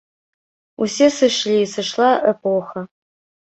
Усе сышлі, сышла эпоха.